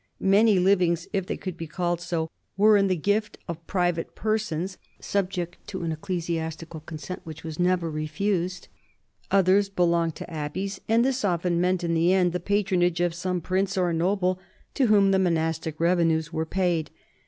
Many livings — if they could be called so — were in the gift of private persons, subject to an episcopal consent which was never refused : others belonged to abbeys, and this often meant, in the end, the patronage of some prince or noble to whom the monastic revenues were paid.